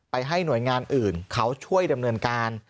ให้หน่วยงานอื่นเขาช่วยดำเนินการ